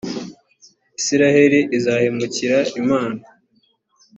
israheli izahemukira imana